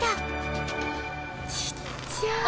ちっちゃい！